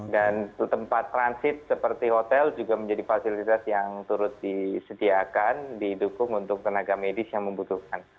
tempat transit seperti hotel juga menjadi fasilitas yang turut disediakan didukung untuk tenaga medis yang membutuhkan